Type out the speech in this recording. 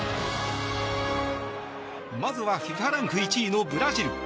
まずは、ＦＩＦＡランク１位のブラジル。